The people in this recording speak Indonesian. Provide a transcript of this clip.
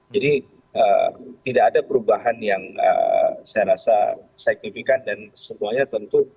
jadi tidak ada perubahan yang saya rasa signifikan dan semuanya tentu